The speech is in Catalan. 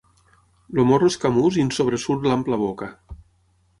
El morro és camús i en sobresurt l'ampla boca.